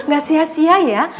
gak sia sia ya